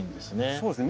そうですね。